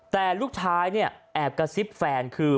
แต่ลูกชายเนี่ยแอบกระซิบแฟนคือ